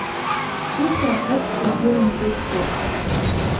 Кәҷыта рыцҳагьы иламкьысӡеит.